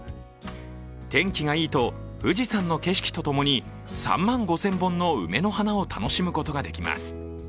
天気がいいと富士山の景色とともに３万５０００本の梅の花を楽しむことができます。